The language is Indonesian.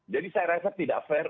jadi saya rasa tidak fair